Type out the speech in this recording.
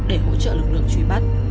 để hỗ trợ lực lượng truy bắt